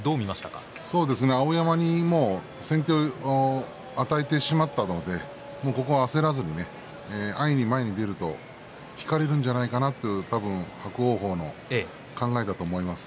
碧山に先手を与えてしまったので焦らずに安易に前に出ますと引かれるんじゃないかなと多分、伯桜鵬の考えだと思いました。